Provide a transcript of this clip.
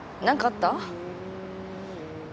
何かあった？